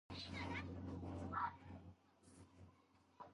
ტვენი დიდ ინტერესს იჩენდა მეცნიერებისადმი.